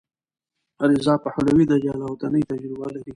رضا پهلوي د جلاوطنۍ تجربه لري.